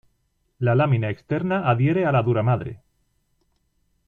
La lámina externa adhiere a la duramadre.